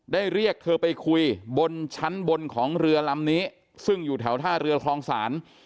เรียกเธอไปคุยบนชั้นบนของเรือลำนี้ซึ่งอยู่แถวท่าเรือคลองศาล